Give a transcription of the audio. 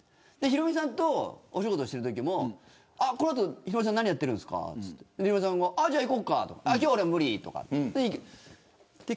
ヒロミさんとお仕事しているときもこの後ヒロミさん何やっているんですかってヒロミさんも行こうかとか今日、俺無理とかって。